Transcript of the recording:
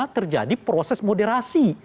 terjadi proses moderasi